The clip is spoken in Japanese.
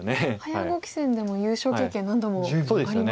早碁棋戦でも優勝経験何度もありますが。